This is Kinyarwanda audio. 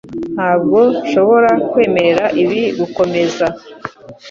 Ntabwo nshobora kwemerera ibi gukomeza